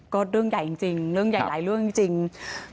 ก็เรื่องใหญ่จริงเรื่องใหญ่หลายเรื่องจริง